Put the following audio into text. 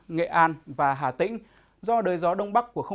nghệ an và hà tĩnh